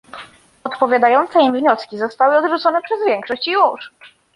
Odpowiadające im wnioski zostały odrzucone przez większość, i już